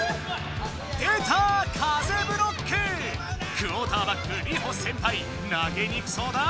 クオーターバックリホ先輩投げにくそうだ！